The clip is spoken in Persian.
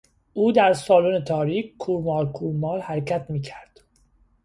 او در سالن تاریک کورمال کورمال حرکت میکرد.